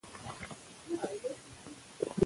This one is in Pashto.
زابل د افغانستان د کلتور يوه مهمه برخه ده.